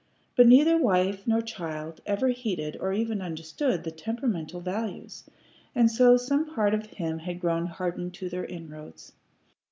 But neither wife nor child ever heeded or even understood the temperamental values, and so some part of him had grown hardened to their inroads.